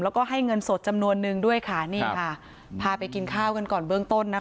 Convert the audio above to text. แล้วก็ให้เงินสดจำนวนนึงด้วยค่ะนี่ค่ะพาไปกินข้าวกันก่อนเบื้องต้นนะคะ